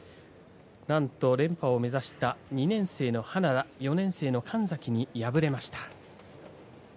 なんと連覇を目指した２年生の花田４年生の神崎に敗れました。